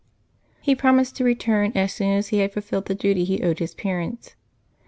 He promised to return as soon as he had fulfilled the duty he owed his parents.